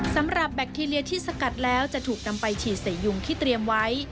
สำหรับแบคทีเรียที่สกัดแล้วจะถูกนำไปฉีดใส่ยุงที่เตรียมไว้